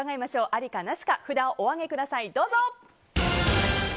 ありかなしか札をお上げください、どうぞ。